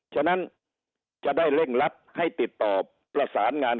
ฉะนั้นจะได้เร่งรัดให้ติดต่อประสานงาน